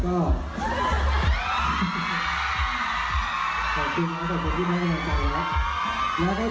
ขอบคุณนะครับขอบคุณที่ไม่เข้าใจแล้ว